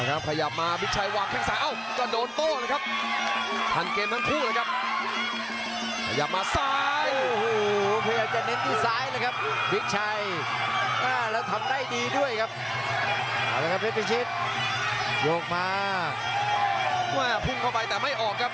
ขยับมาขวามาเจอสายเอาเกลียดได้